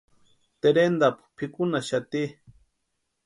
Terentapu pʼikunhaxati.